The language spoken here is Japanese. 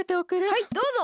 はいどうぞ！